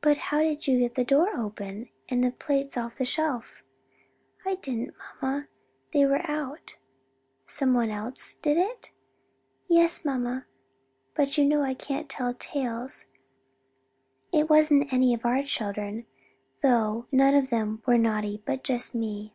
But how did you get the door open and the plates off the shelf?" "I didn't, mamma: they were out." "Some one else did it?" "Yes, mamma; but you know I can't tell tales. It wasn't any of our children, though, none of them were naughty but just me."